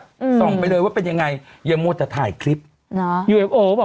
อืมส่องไปเลยว่าเป็นยังไงอย่าโมทจะถ่ายคลิปเนอะ